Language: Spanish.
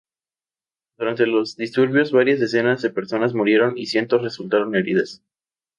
Durante los disturbios, varias decenas de personas murieron y cientos resultaron heridas.